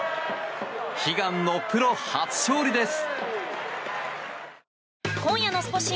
悲願のプロ初勝利です。